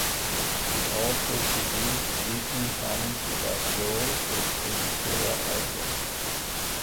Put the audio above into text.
He also produced Disney Comics about Zorro for editora Abril.